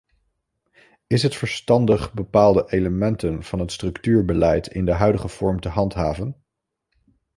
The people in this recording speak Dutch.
Is het verstandig bepaalde elementen van het structuurbeleid in de huidige vorm te handhaven?